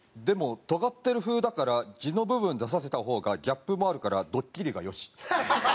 「でもトガってる風だからジの部分出させた方がギャップもあるからドッキリがよし」。